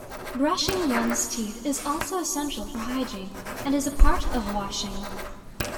Brushing one's teeth is also essential for hygiene and is a part of washing.